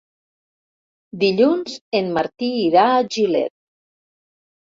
Dilluns en Martí irà a Gilet.